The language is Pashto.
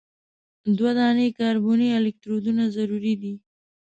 دوه دانې کاربني الکترودونه ضروري دي.